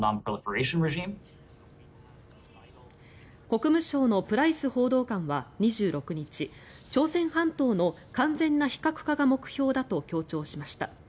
国務省のプライス報道官は２６日朝鮮半島の完全な非核化が目標だと強調しました。